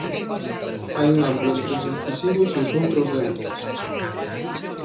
Hai un amplo entre os incisivos e os outros dentes.